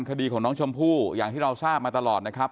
คดีของน้องชมพู่อย่างที่เราทราบมาตลอดนะครับ